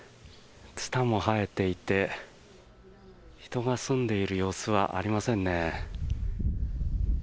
ツタも生えていて人が住んでいる様子はありませんね。